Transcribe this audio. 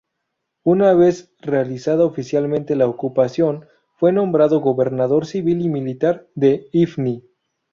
Una vez realizada oficialmente la ocupación fue nombrado gobernador civil y militar de Ifni.